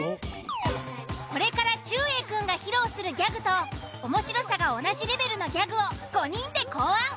これからちゅうえいくんが披露するギャグと面白さが同じレベルのギャグを５人で考案。